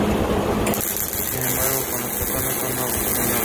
Sin embargo con las personas son muy nobles.